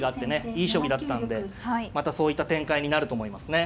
いい将棋だったんでまたそういった展開になると思いますね。